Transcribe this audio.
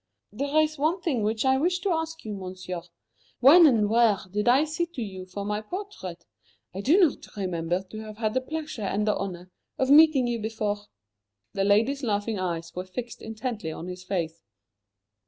"There is one thing which I wished to ask you, Monsieur. When and where did I sit to you for my portrait? I do not remember to have had the pleasure and the honour of meeting you before." The lady's laughing eyes were fixed intently on his face.